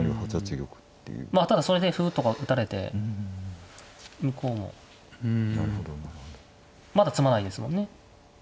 ただそれで歩とか打たれて向こうもまだ詰まないですもんね。